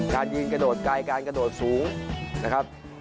การยืนกระโดดไกลการกระโดดสูงนะครับ